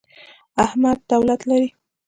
احمد دولت لري.